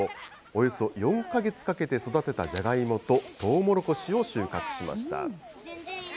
およそ４か月かけて育てたじゃがいもと、とうもろこしを収穫しました。